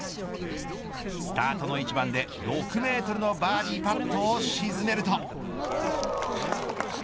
スタートの１番で６メートルのバーディーパットを沈めると。